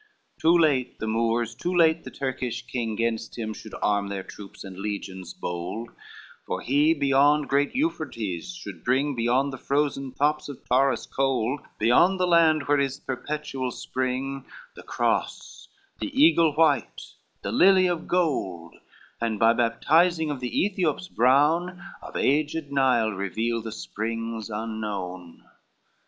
XCIV "Too late the Moors, too late the Turkish king, Gainst him should arm their troops and legions bold For he beyond great Euphrates should bring, Beyond the frozen tops of Taurus cold, Beyond the land where is perpetual spring, The cross, the eagle white, the lily of gold, And by baptizing of the Ethiops brown Of aged Nile reveal the springs unknown."